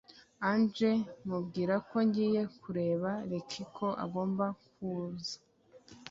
Angel mubwira ko ngiye kureba Ricky ko agomba kuza